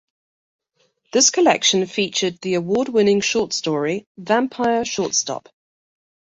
This collection featured the award-winning short story "Vampire Shortstop".